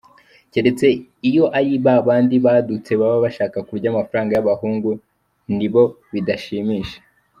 Keretse iyo ari babandi badutse baba bashaka kurya amafaranga y’abahungu nibo bidashimisha.